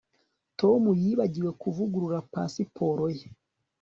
Tom yibagiwe kuvugurura pasiporo ye